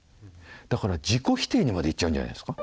だから自己否定にまでいっちゃうんじゃないですか。